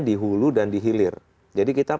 dihulu dan dihilir jadi kita